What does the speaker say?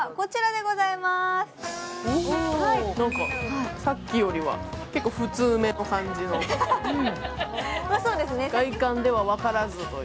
なんか、さっきよりは結構普通めというか外観では分からずという。